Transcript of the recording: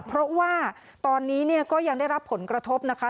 เพราะว่าตอนนี้เนี่ยก็ยังได้รับผลกระทบนะคะ